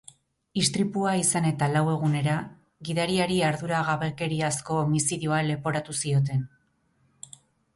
Istripua izan eta lau egunera, gidariari arduragabekeriazko homizidioa leporatu zioten.